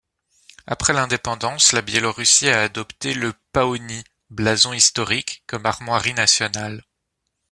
Après l'indépendance, la Biélorussie a adopté le Pahonie, blason historique, comme armoiries nationales.